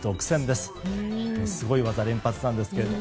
すごい技連発なんですが。